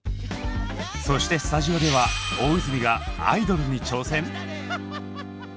そしてスタジオでは大泉がアイドルに挑戦？